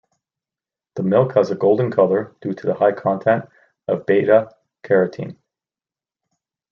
The milk has a golden colour due to a high content of beta carotene.